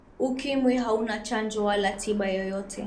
ukimwi hauna chanjo wala tiba yoyote